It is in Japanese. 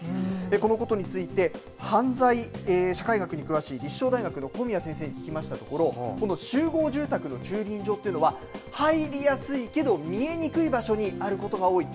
このことについて犯罪社会学に詳しい立正大学の小宮先生に聞いたところこの集合住宅の駐輪場っていうのは入りやすいけど見えにくい場所にあることが多い。